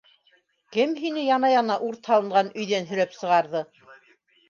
Кем һине, яна-яна, үрт һалынған өйҙән һөйрәп сығарҙы?!